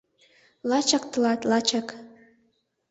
Лачак тылат, лачак...